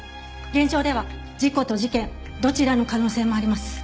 現状では事故と事件どちらの可能性もあります。